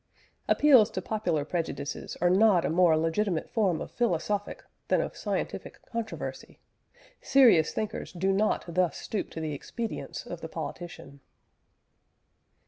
Appeals to popular prejudices are not a more legitimate form of philosophic, than of scientific controversy; serious thinkers do not thus stoop to the expedients of the politician.